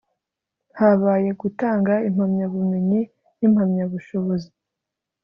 Habaye gutanga impamyabumenyi n’impamyabushozi